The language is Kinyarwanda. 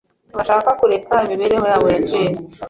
Ntibashakaga kureka imibereho yabo ya kera.